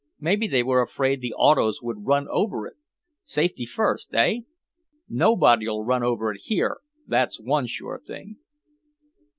"Maybe they were afraid the autos would run over it; safety first, hey? Nobody'll run over it here, that's one sure thing."